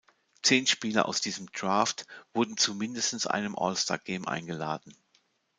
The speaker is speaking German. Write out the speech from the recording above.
Zehn Spieler aus diesem Draft wurden zu mindestens einem All-Star Game eingeladen.